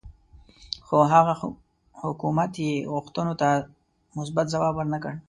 خو هغه حکومت یې غوښتنو ته مثبت ځواب ورنه کړ.